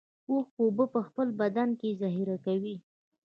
اوښ اوبه په خپل بدن کې ذخیره کوي